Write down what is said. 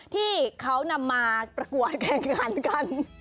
ที่เขานำมาประกวดแข่งขันกัน